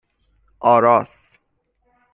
آراس